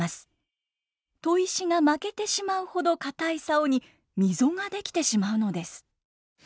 砥石が負けてしまうほど硬い棹に溝が出来てしまうのです。